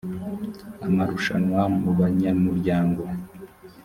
amarushanwa mu banyamuryango